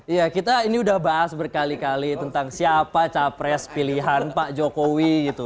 iya kita ini udah bahas berkali kali tentang siapa capres pilihan pak jokowi gitu